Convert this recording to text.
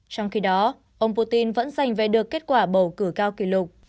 trong khi đó ông putin vẫn giành về được kết quả bầu cử cao kỷ lục